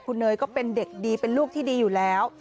คุณเนยก็เป็นเด็กดีเป็นลูกที่ดีอยู่แล้ว